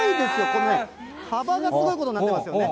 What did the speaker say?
この幅がすごいことになってますよね。